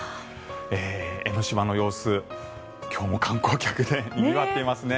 江の島の様子、今日も観光客でにぎわっていますね。